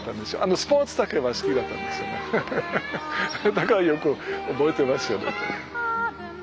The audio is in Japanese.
だからよく覚えてますよ。